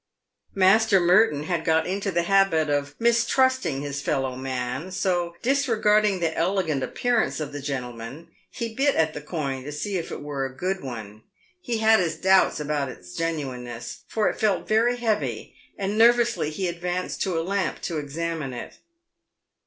. Master Merton had got into the hahit of mistrusting his fellow man ; so, disregarding the elegant appearance of the gentleman, he bit at the coin to see if it were a good one. He had his doubts about its genuineness, for it felt very heavy, and nervously he ad vanced to a lamp to examine it.